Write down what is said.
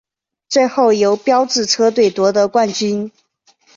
最后由标致车队夺得冠军。